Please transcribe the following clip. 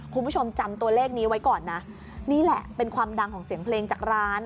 คุณผู้ชมจำตัวเลขนี้ไว้ก่อนนะนี่แหละเป็นความดังของเสียงเพลงจากร้าน